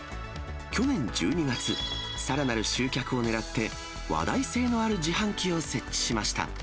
去年１２月、さらなる集客をねらって、話題性のある自販機を設置しました。